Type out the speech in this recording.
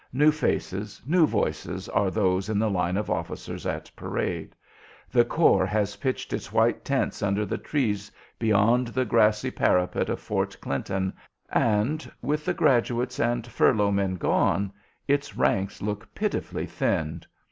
New faces, new voices are those in the line of officers at parade. The corps has pitched its white tents under the trees beyond the grassy parapet of Fort Clinton, and, with the graduates and furlough men gone, its ranks look pitifully thinned.